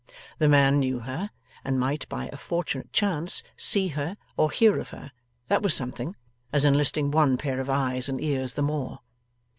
The man knew her, and might by a fortunate chance see her, or hear of her; that was something, as enlisting one pair of eyes and ears the more.